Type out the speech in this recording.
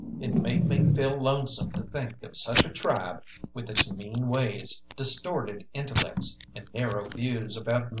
It made me feel lonesome to think of such a tribe with its mean ways, distorted intellects, and narrow views about me.